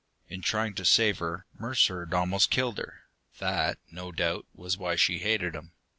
In trying to save her, Mercer had almost killed her. That, no doubt, was why she hated him.